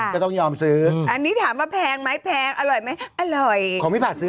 ก็ต้องยอมซื้ออันนี้ถามว่าแพงไหมแพงอร่อยไหมอร่อยของพี่ผัดซื้อ